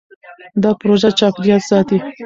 دا پروژه چاپېریال ساتي.